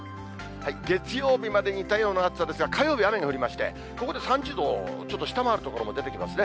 月曜日まで似たような暑さですが、火曜日、雨が降りまして、ここで３０度をちょっと下回る所も出てきますね。